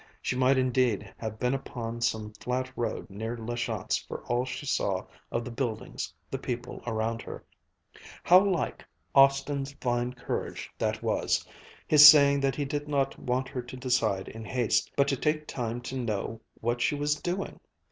She might indeed have been upon some flat road near La Chance for all she saw of the buildings, the people around her. How like Austin's fine courage that was, his saying that he did not want her to decide in haste, but to take time to know what she was doing!